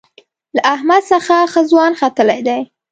له احمد څخه ښه ځوان ختلی دی.